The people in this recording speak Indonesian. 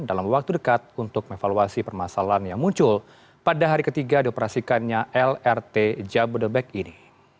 dalam waktu dekat untuk mevaluasi permasalahan yang muncul pada hari ketiga dioperasikannya lrt jabodebek ini